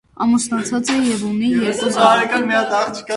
Ամուսնացած է և ունի երկու զավակ։